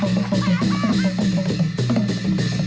โอ้โหเป็นไงครับ